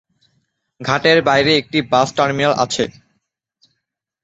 ঘাটের বাইরে একটি বাস টার্মিনাস আছে।